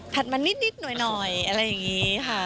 มานิดหน่อยอะไรอย่างนี้ค่ะ